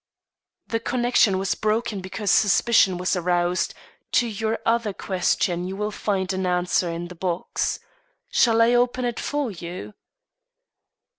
"The connection was broken because suspicion was aroused; to your other question you will find an answer in the box. Shall I open it for you?"